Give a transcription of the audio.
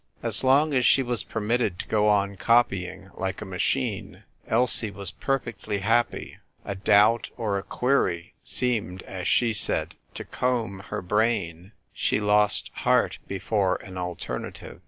As long as she was permitted to go on copying like a machine, Elsie was perfectly happy : a doubt or a query seemed (as she said) to comb her brain ; she lost heart before an alternative.